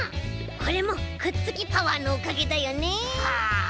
これもくっつきパワーのおかげだよね。